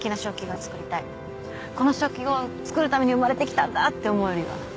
この食器を作るために生まれてきたんだって思えるような。